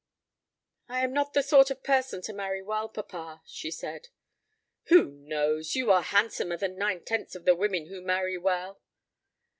"I am not the sort of person to marry well, papa," she said. "Who knows? You are handsomer than nine tenths of the women who marry well."